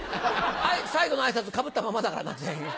最後の挨拶かぶったままだからな全員。